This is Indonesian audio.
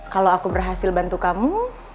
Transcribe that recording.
kalau aku berhasil bantu kamu